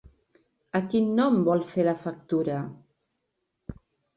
A quin nom vol fer factura?